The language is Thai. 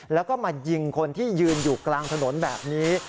แล้วก็มายิงคนที่ยืนอยู่กลางถนนแบบนี้